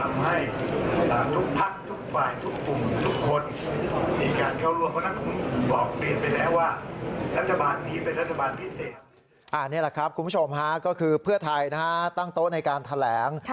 นี่แหละครับคุณผู้ชมฮะก็คือเพื่อไทยตั้งโต๊ะในการแถลง